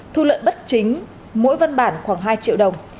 thu lợi bất chính mỗi văn bản khoảng hai triệu đồng